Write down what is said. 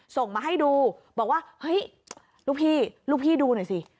ส่งมาให้ดูบอกว่าเฮ้ยลูกพี่ลูกพี่ดูหน่อยสิ